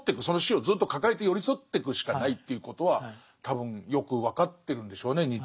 その死をずっと抱えて寄り添ってくしかないということは多分よく分かってるんでしょうね